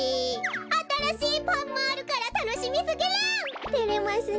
あたらしいパンもあるからたのしみすぎる！